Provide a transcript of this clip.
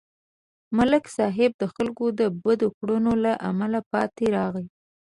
ملک صاحب د خلکو د بدو کړنو له امله پاتې راغی.